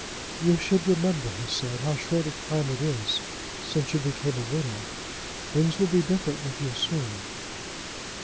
"You should remember," he said, "how short a time it is since you became a widow. Things will be different with you soon."